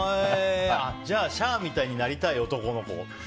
じゃあシャアみたいになりたい男の子？